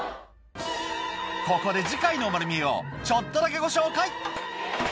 ここで次回の『まる見え！』をちょっとだけご紹介